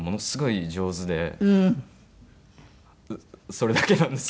それだけなんですけど。